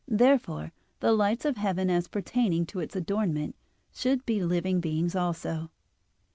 Therefore the lights of heaven, as pertaining to its adornment, should be living beings also.